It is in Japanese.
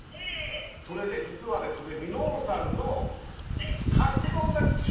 それで実はですね